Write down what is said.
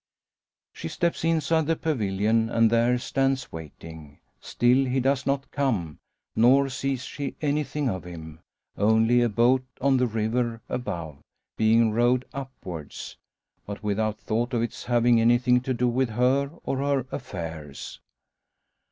She steps inside the pavilion, and there stands waiting. Still he does not come, nor sees she anything of him; only a boat on the river above, being rowed upwards. But without thought of its having anything to do with her or her affairs.